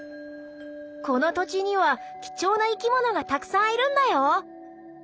「この土地には貴重な生き物がたくさんいるんだよ！」。